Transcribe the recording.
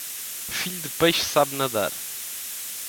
Filho de peixe sabe nadar.